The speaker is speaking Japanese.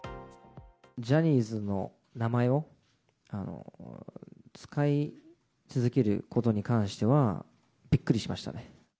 ジャニーズの名前を使い続けることに関しては、びっくりしましたね。